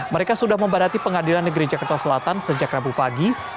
mereka sudah membadati pengadilan negeri jakarta selatan sejak rabu pagi